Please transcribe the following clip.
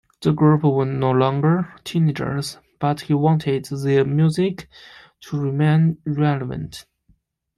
The group were no longer teenagers, but he wanted their music to remain relevant.